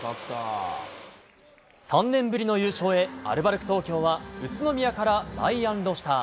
３年ぶりの優勝へアルバルク東京は宇都宮からロシター